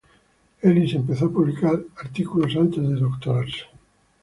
Ellis empezó a publicar artículos antes de doctorarse.